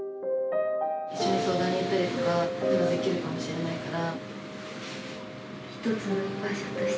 一緒に相談に行ったりとかはできるかもしれないから。